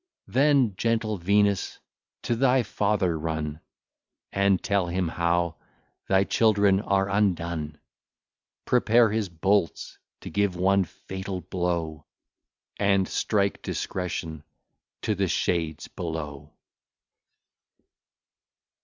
Then, gentle Venus, to thy father run, And tell him, how thy children are undone: Prepare his bolts to give one fatal blow, And strike Discretion to the shades below.